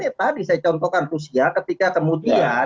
ya tadi saya contohkan rusia ketika kemudian